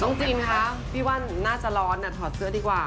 จริงคะพี่ว่าน่าจะร้อนถอดเสื้อดีกว่า